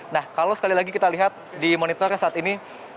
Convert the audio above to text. nah kalau sekali lagi kita lihat di monitor saat ini